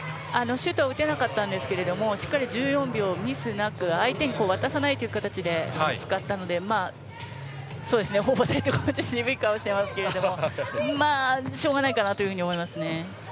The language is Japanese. シュートを打てなかったんですがしっかり１４秒ミスなく相手に渡さないという形で使ったのでホーバスヘッドコーチも渋い顔をしていますがしょうがないかなというふうに思いますね。